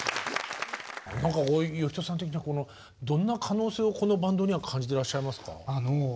呼人さん的にはどんな可能性をこのバンドには感じてらっしゃいますか？